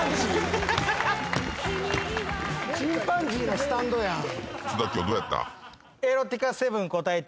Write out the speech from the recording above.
チンパンジーのスタンドやん。